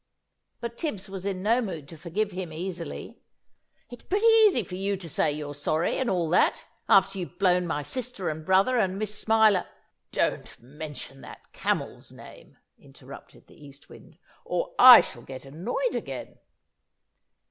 But Tibbs was in no mood to forgive him easily. "It's pretty easy for you to say you're sorry, and all that, after you've blown my sister and brother and Miss Smiler " "Don't mention that Camel's name!" interrupted the East Wind, "or I shall get annoyed again!"